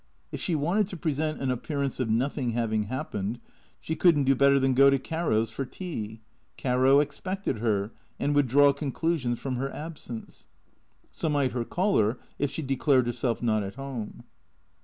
If she wanted to present an appearance of nothing having happened, she could n't do better than go to Caro's for tea. Caro expected her and would draw conclusions from her absence. So might her caller if she declared herself not at home.